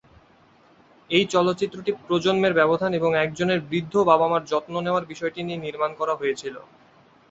এই চলচ্চিত্রটি প্রজন্মের ব্যবধান এবং একজনের বৃদ্ধ বাবা মার যত্ন নেওয়ার বিষয়টি নিয়ে নির্মাণ করা হয়েছিল।